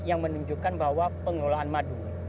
yang menunjukkan bahwa pengelolaan madu